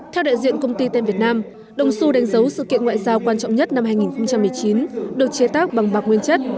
theo đại diện công ty tem việt nam đồng xu đánh dấu sự kiện ngoại giao quan trọng nhất năm hai nghìn một mươi chín được chế tác bằng bạc nguyên chất